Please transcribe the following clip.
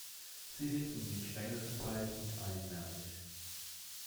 Sie sind um den Stängel verteilt und einnervig.